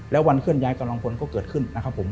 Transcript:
แล้ววันเคลื่อนย้ายกำลังคนก็เกิดขึ้น